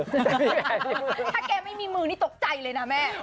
ถ้าแกไม่มีมือนี่ตกใจเลยนะแม่